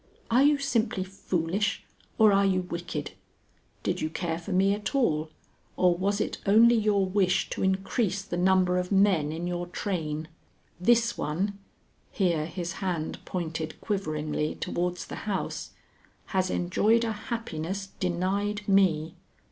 Are you simply foolish, or are you wicked? Did you care for me at all, or was it only your wish to increase the number of men in your train? This one" (here his hand pointed quiveringly towards the house) "has enjoyed a happiness denied me.